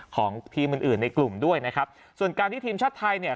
ของทีมอื่นอื่นในกลุ่มด้วยนะครับส่วนการที่ทีมชาติไทยเนี่ย